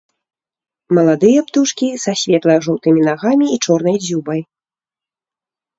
Маладыя птушкі са светла-жоўтымі нагамі і чорнай дзюбай.